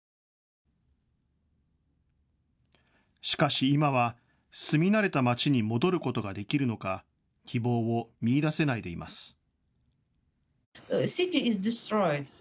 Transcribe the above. しかし、今は住み慣れたまちに戻ることができるのか希望を見いだせないでいます。